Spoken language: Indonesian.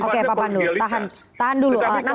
karena sifatnya penggialisan